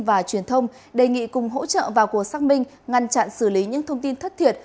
và truyền thông đề nghị cùng hỗ trợ vào cuộc xác minh ngăn chặn xử lý những thông tin thất thiệt